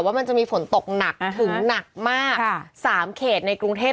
ว่ามันจะมีฝนตกหนักถึงหนักมาก๓เขตในกรุงเทพ